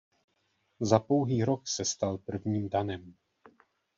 Za pouhý rok se stal prvním danem.